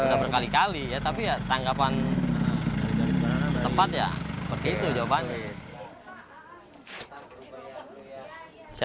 sudah berkali kali ya tapi ya tanggapan setempat ya seperti itu jawabannya